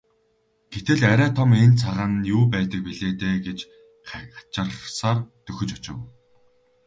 Гэтэл арай том энэ цагаан нь юу байдаг билээ дээ гэж хачирхсаар дөхөж очив.